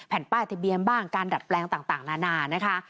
แผ่นป้ายทะเบียนบ้างการดัดแปลงต่างนานานะคะ